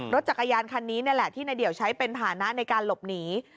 รถจักรยานคันนี้นี่แหละที่นายเดี่ยวใช้เป็นฐานะในการหลบหนี